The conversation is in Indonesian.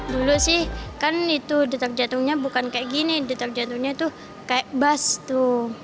dulu sih kan itu detak jantungnya bukan kayak gini detak jantungnya itu kayak bas tuh